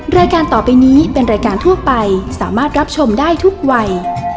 รายการต่อไปนี้เป็นรายการทั่วไปสามารถรับชมได้ทุกวัย